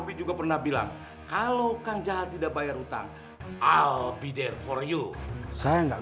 pak kamarnya pada di sebelah atas ya pak